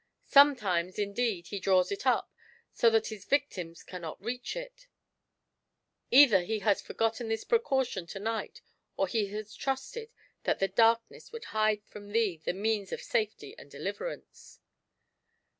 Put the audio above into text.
Sometimes, indeed, he draws it up, so that his victims cannot reach it ; either he has forgotten this precaution to night, or he has trusted that the darkness woidd hide from thee the means of safety and deliverance."